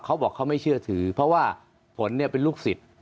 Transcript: เขาบอกเขาไม่เชื่อถือเพราะว่าผลเนี่ยเป็นลูกศิษย์